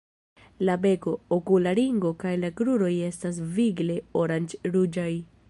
La beko, okula ringo kaj la kruroj estas vigle oranĝ-ruĝaj.